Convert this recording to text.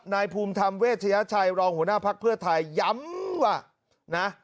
นายภูมิธรรมเวชยชัยรองหัวหน้าภักดิ์เพื่อไทยย้ำว่านะ